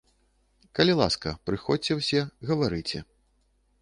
Калі ласка, прыходзьце ўсе, гаварыце.